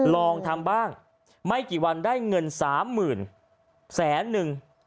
ลองทำบ้างไม่กี่วันได้เงิน๓๐๐๐แสนนึง